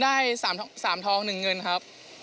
ได้๓ทอง๑เงินครับ